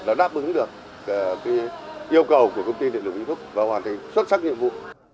đã đáp ứng được yêu cầu của công ty điện lực vĩnh phúc và hoàn thành xuất sắc nhiệm vụ